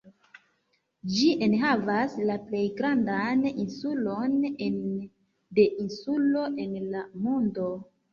Ĝi enhavas la plej grandan insulon ene de insulo en la mondo.